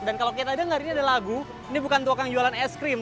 dan kalau kita dengar ini ada lagu ini bukan tukang jualan es krim